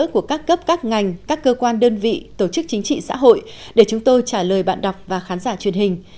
của các cấp các ngành các cơ quan đơn vị tổ chức chính trị xã hội để chúng tôi trả lời bạn đọc và khán giả truyền hình